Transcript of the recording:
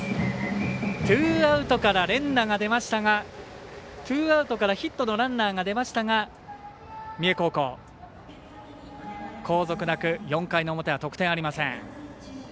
ツーアウトから連打が出ましたがツーアウトからヒットのランナーが出ましたが三重高校、後続なく、４回の表は得点ありません。